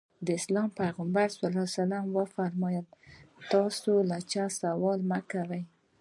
د اسلام پیغمبر وفرمایل تاسې له چا سوال مه کوئ.